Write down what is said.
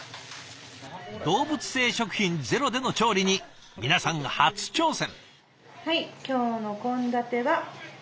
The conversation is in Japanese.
動物性食品ゼロでの調理に皆さん初挑戦。